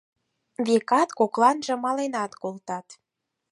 Векат, кокланже маленат колтат.